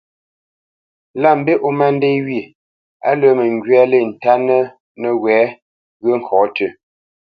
Lâ mbî ó má ndê wyê, á lə́ nɛŋgywa lê ntánə́ nəwɛ̌ ŋgyə̂ ŋkɔ̌ tʉ́,